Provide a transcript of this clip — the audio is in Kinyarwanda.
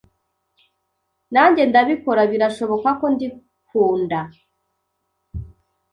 Nanjye ndabikora, birashoboka ko ndikunda